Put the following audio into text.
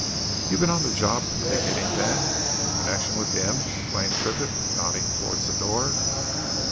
"You've been on this job from the beginning, then in connection with him?" exclaimed Triffitt, nodding towards the door.